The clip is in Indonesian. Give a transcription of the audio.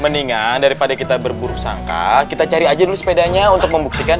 mendingan daripada kita berburu sangka kita cari aja dulu sepedanya untuk membuktikan